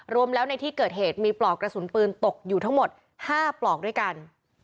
รวมแล้วในที่เกิดเหตุมีปลอกกระสุนปืนตกอยู่ทั้งหมด๕ปลอกด้วยกัน